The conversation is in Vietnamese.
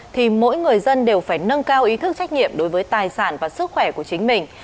thì mỗi người dân đều phải nâng cao ý thức trách nhiệm đối với tài sản và sức khỏe của chính mình